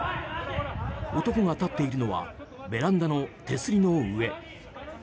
男が立っているのはベランダの手すりの上。